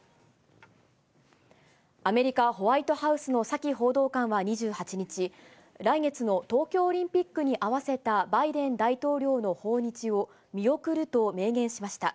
アメリカ・ホワイトハウスのサキ報道官は２８日、来月の東京オリンピックに合わせたバイデン大統領の訪日を見送ると明言しました。